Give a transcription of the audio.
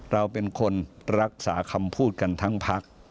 เราเป็นคนรักษาคำพูดกันทั้งพัก